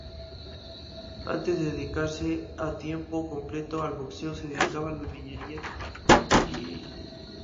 Antes de dedicarse a tiempo completo al boxeo, se dedicaba a la albañilería.